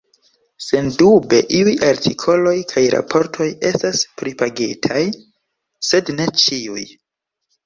Sendube iuj artikoloj kaj raportoj estas pripagitaj, sed ne ĉiuj.